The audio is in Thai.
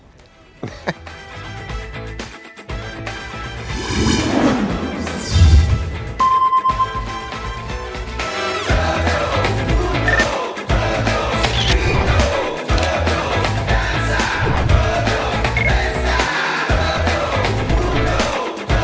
จริง